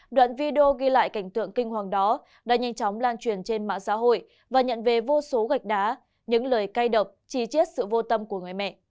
đoạn video ghi lại cảnh tượng kinh hoàng đó đã nhanh chóng lan truyền trên mạng xã hội và nhận về vô số gạch đá những lời cay độc chiết sự vô tâm của người mẹ